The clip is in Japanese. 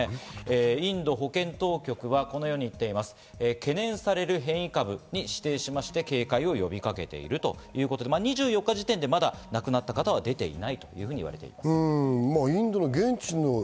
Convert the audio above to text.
インド保健当局は懸念される変異株に指定して、警戒を呼びかけているということで、２４日時点でまだ亡くなった方は出ていないといわれています。